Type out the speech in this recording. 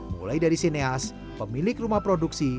mulai dari sineas pemilik rumah produksi